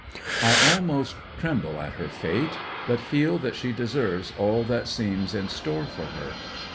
I almost tremble at her fate, but feel that she deserves all that seems in store for her.